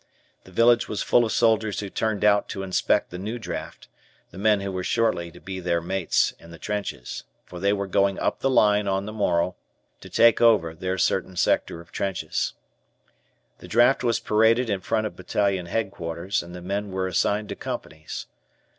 The village was full of soldiers who turned out to inspect the new draft, the men who were shortly to be their mates in the trenches, for they were going "up the line" on the morrow, to "take over" their certain sector of trenches. The draft was paraded in front of Battalion Headquarters, and the men were assigned to companies.